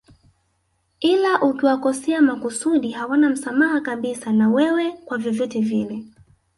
Ila ukiwakosea makusudi hawana msamaha kabisa na wewe kwa vyovyote vile